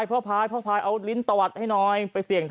อีกลูกนึง